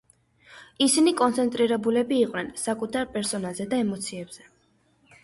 ისინი კონცენტრირებულები იყვნენ საკუთარ პერსონაზე და ემოციებზე.